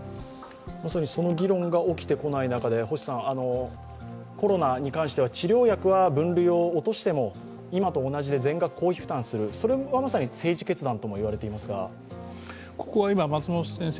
まさにその議論が起きてこない中で、コロナに関しては治療薬は分類を落としても今と同じで医療費を全額公費負担する、それもまさに政治決断といわれていますが。